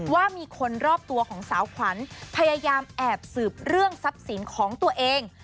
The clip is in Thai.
ว่ามีคนรอบตัวของสาวขวัญพยายามแอบสืบเรื่องทรัพย์สินของตัวเอง